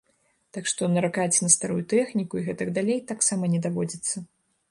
Так што наракаць на старую тэхніку і гэтак далей таксама не даводзіцца.